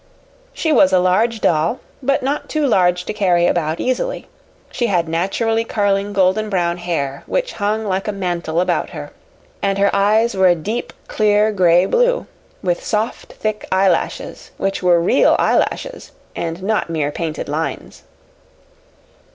She was a large doll, but not too large to carry about easily; she had naturally curling golden brown hair, which hung like a mantle about her, and her eyes were a deep, clear, gray blue, with soft, thick eyelashes which were real eyelashes and not mere painted lines.